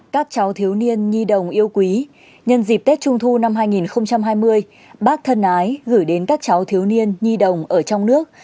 các cháu thiếu niên nhi đồng yêu quý nhân dịp tết trung thu năm hai nghìn hai mươi bác thân ái gửi đến các cháu thiếu niên nhi đồng ở trong nước